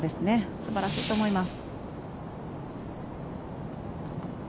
素晴らしいと思います。